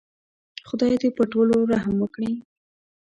خدای دې پر ټولو رحم وکړي.